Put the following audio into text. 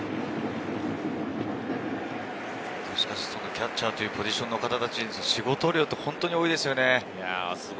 キャッチャーというポジションの方は仕事量が本当に多いですよね。